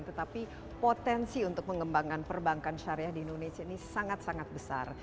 tetapi potensi untuk mengembangkan perbankan syariah di indonesia ini sangat sangat besar